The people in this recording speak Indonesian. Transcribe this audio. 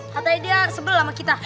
katanya dia sebel sama kita